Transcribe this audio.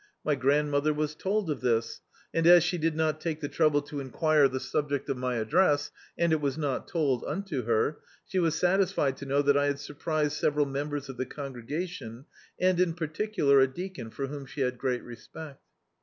My grandmother was told of this, and as she did not take the trouble to enquire the subject of my ad dress, and it was not told unto her, she was satisfied to know I had surprised several members of the con gregation and in particular a deacon, for whom she had great respect.